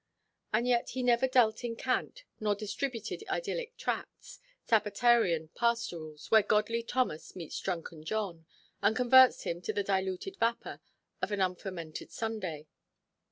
And yet he never dealt in cant, nor distributed idyllic tracts, Sabbatarian pastorals, where godly Thomas meets drunken John, and converts him to the diluted vappa of an unfermented Sunday.